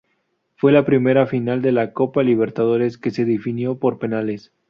Fue la primera final de la Copa Libertadores que se definió por penales.